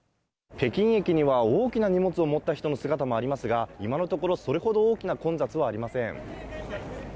北京駅には、大きな荷物を持った人たちの姿もありますが、今のところ、それほど大きな混雑はありません。